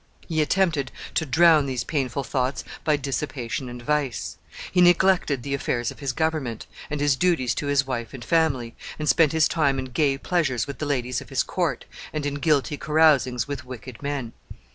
He attempted to drown these painful thoughts by dissipation and vice. He neglected the affairs of his government, and his duties to his wife and family, and spent his time in gay pleasures with the ladies of his court, and in guilty carousings with wicked men.